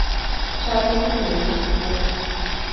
绍兴四年卒。